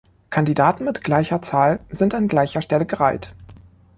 Kandidaten mit gleicher Zahl sind an gleicher Stelle gereiht.